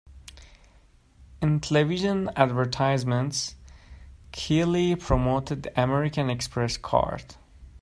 In television advertisements, Killy promoted the American Express card.